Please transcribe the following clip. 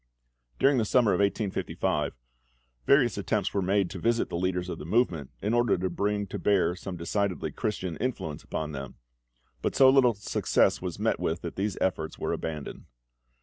During the summer of 1855 various attempts were made to visit the leaders of the movement, in order to bring to bear some decidedly Christian influence upon them; but so little success was met with, that these efforts were abandoned.